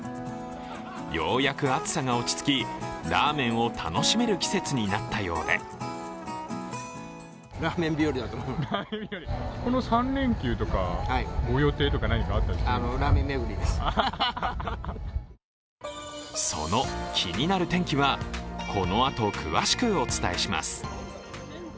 ようやく暑さが落ち着き、ラーメンを楽しめる季節になったようでその気になる天気は、このあと詳しくお伝えします。